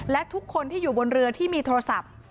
และทุกคนที่อยู่บนเรือที่มีโทรศัพท์